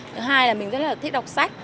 thứ hai là mình rất là thích đọc sách